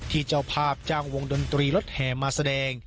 เจ้าภาพจ้างวงดนตรีรถแห่มาแสดง